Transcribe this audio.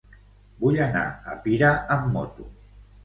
Vull anar a Pira amb moto.